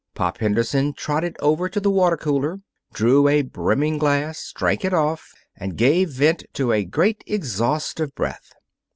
Pop Henderson trotted over to the water cooler, drew a brimming glass, drank it off, and gave vent to a great exhaust of breath.